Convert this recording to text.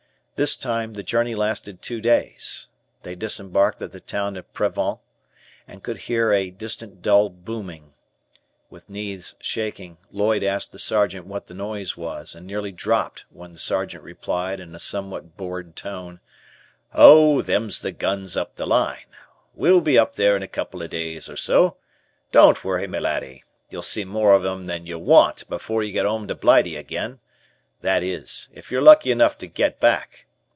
This time, the Journey lasted two days. They disembarked at the town of Prevent, and could hear a distant dull booming. With knees shaking, Lloyd asked the Sergeant what the noise was, and nearly dropped when the Sergeant replied in a somewhat bored tone: "Oh, them's the guns up the line. We'll be up there in a couple o' days or so. Don't worry, my laddie, you'll see more of 'em than you want before you get 'ome to Blighty again, that is, if you're lucky enough to get back.